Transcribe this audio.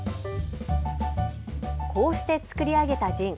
こうして造り上げたジン。